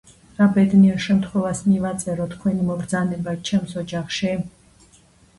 რა ბედნიერ შემთხვევას მივაწერო თქვენი მობრძანება ჩემს ოჯახში?!